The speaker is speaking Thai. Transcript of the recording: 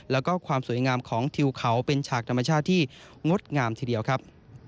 แล้วก็ความสวยงามของทิวเขาเป็นฉากธรรมชาติที่งดงามทีเดียวครับ